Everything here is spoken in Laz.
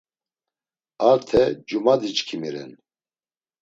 Arte cumadiçkimi ren.